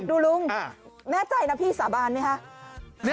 อยากดูลุงแม้ใจนะพี่สาบานไหมคะ